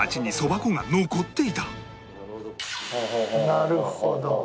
なるほど。